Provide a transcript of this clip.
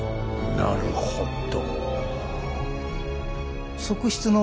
なるほど。